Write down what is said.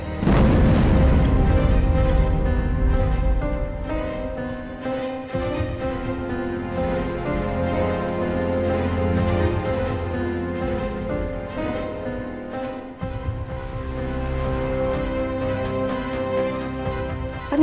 gak usah kesini